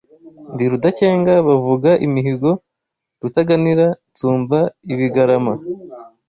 Ndi Rudakenga bavuga imihigo, rutaganira nsumba ibigarama